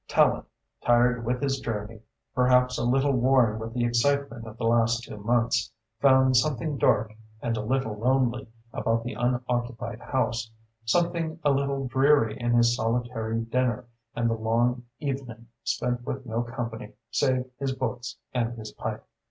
Tallente, tired with his journey, perhaps a little worn with the excitement of the last two months, found something dark and a little lonely about the unoccupied house, something a little dreary in his solitary dinner and the long evening spent with no company save his books and his pipe.